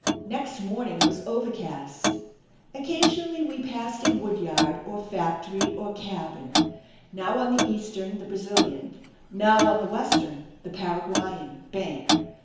Next morning was overcast. Occasionally we passed a wood yard, or factory, or cabin, now on the eastern, the Brazilian, now on the western, the Paraguayan, bank.